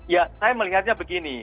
ya saya melihatnya begini